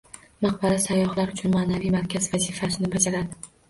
Maqbara sayyohlar uchun maʼnaviy markaz vazifasini bajaradi.